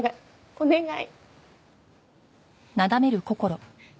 お願い！